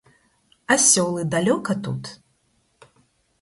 А сёлы далёка тут?